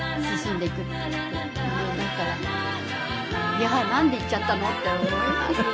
いやあなんで逝っちゃったのって思いますよ。